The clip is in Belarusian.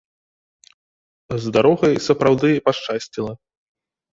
З дарогай сапраўды пашчасціла!